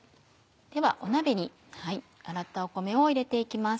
では鍋に洗った米を入れて行きます。